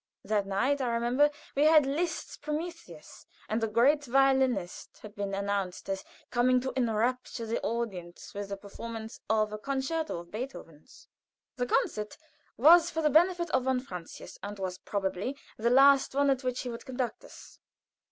That night I remember we had Liszt's "Prometheus," and a great violinist had been announced as coming to enrapture the audience with the performance of a Concerto of Beethoven's. The concert was for the benefit of von Francius, and was probably the last one at which he would conduct us.